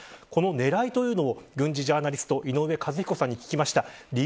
この狙いを軍事ジャーナリストの井上和彦さんに聞きました。